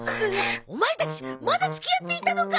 オマエたちまだ付き合っていたのか！？